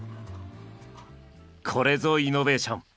これぞイノベーション！